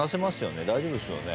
大丈夫ですよね？